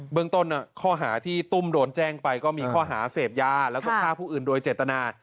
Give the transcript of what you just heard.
เมืองต้นข้อหาที่ตุ้มโดนแจ้งไปก็มีข้อหาเสพยาแล้วก็ฆ่าผู้อื่นโดยเจตนา